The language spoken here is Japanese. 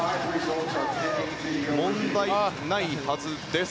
問題ないはずです。